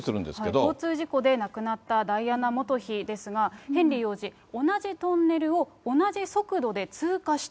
交通事故で亡くなったダイアナ元妃ですが、ヘンリー王子、同じトンネルを同じ速度で通過した。